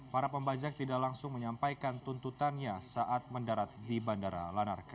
para pembajak tidak langsung menyampaikan tuntutannya saat mendarat di bandara lanarka